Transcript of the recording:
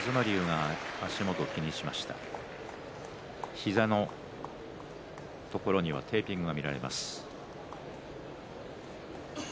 膝のところにはテーピングが見られます。